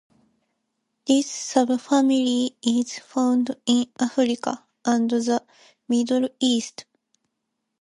This subfamily is found in Africa and the Middle East.